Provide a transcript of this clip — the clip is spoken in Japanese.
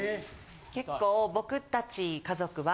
結構僕達家族は。